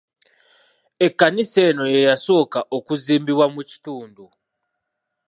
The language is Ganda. Ekkanisa eno ye yasooka okuzimbibwa mu kitundu.